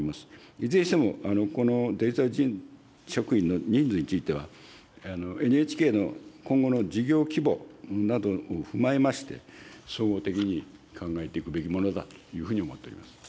いずれにしても、このデジタル職員の人数については、ＮＨＫの今後の事業規模などを踏まえまして、総合的に考えていくべきものだというふうに思っております。